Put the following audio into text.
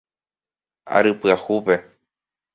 Ary Pyahúpe.